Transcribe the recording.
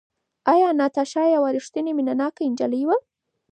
ایا ناتاشا یوه ریښتینې مینه ناکه نجلۍ وه؟